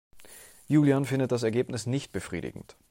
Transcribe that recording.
Julian findet das Ergebnis nicht befriedigend.